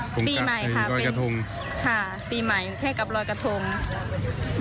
ปีใหม่ค่ะปีใหม่แค่กับรอยกะทง